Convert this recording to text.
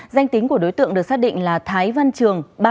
danh tính của đối tượng được xác định là thái văn trường